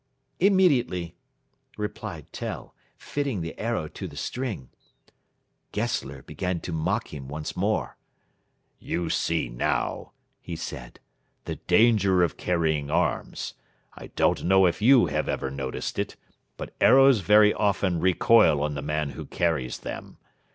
"Immediately," replied Tell, fitting the arrow to the string. Gessler began to mock him once more. "You see now," he said, "the danger of carrying arms. I don't know if you have ever noticed it, but arrows very often recoil on the man who carries them.